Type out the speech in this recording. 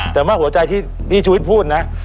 แต่ว่าหัวใจที่พี่ชุวิตพูดนะ